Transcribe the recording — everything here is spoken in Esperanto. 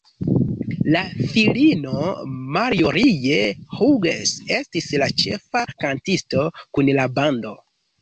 Lia filino, Marjorie Hughes estis la ĉefa kantisto kun la bando.